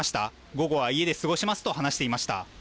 午後は家で過ごしますと話していました。